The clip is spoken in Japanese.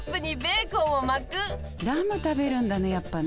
ラム食べるんだねやっぱね。